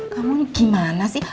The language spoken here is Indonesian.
kamu gimana sih